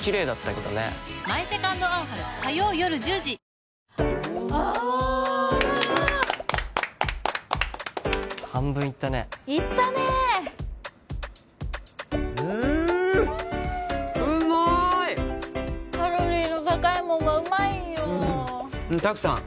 便質改善でラクに出すあ半分いったねいったねうんうんうまいカロリーの高いもんはうまいんよ拓さん